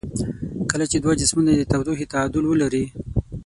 کله چې دوه جسمونه د تودوخې تعادل ولري.